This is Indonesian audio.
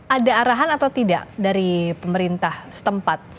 ada arahan atau tidak dari pemerintah setempat